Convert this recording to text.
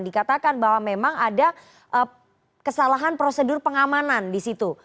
dikatakan bahwa memang ada kesalahan prosedur pengamanan disitu